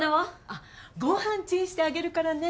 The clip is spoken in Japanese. あっご飯チンしてあげるからね。